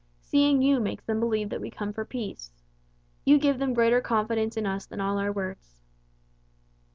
Seeing you makes them believe that we come for peace. You give them greater confidence in us than all our words."